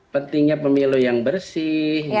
pentingnya pemilu yang bersih